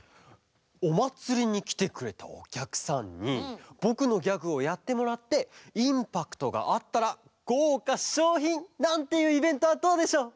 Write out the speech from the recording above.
おまつりにきてくれたおきゃくさんにぼくのギャグをやってもらってインパクトがあったらごうかしょうひんなんていうイベントはどうでしょう？